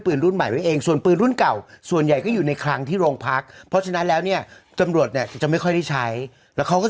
ปืนมาจากไหนเนอะนี่ไงปืนมาจากหลวงนี่แหละค่ะ